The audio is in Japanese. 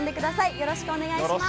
よろしくお願いします。